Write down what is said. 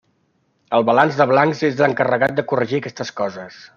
El balanç de blancs és l’encarregat de corregir aquestes coses.